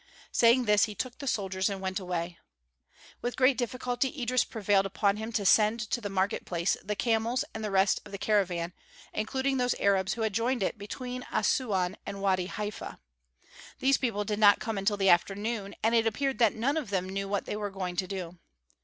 Saying this he took the soldiers and went away. With great difficulty Idris prevailed upon him to send to the market place the camels and the rest of the caravan, including those Arabs who had joined it between Assuan and Wâdi Haifa. These people did not come until the afternoon, and it appeared that none of them knew what they were going to do.